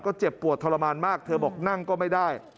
ก็เจ็บปวดทรมานมากเธอบอกนั่งก็ไม่ได้